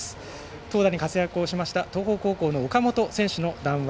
投打に活躍をしました東邦高校の岡本選手の談話。